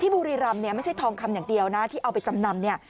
ที่บุรีรำไม่ใช่ทองคำอย่างเดียวนะที่เอาไปจำนำ